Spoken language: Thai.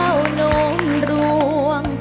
เก้าเก้าน้องร่วง